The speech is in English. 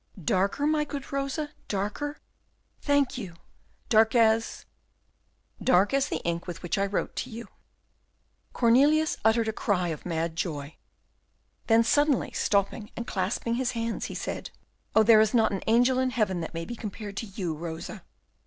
"Darker, my good Rosa, darker? Thank you. Dark as " "Dark as the ink with which I wrote to you." Cornelius uttered a cry of mad joy. Then, suddenly stopping and clasping his hands, he said, "Oh, there is not an angel in heaven that may be compared to you, Rosa!"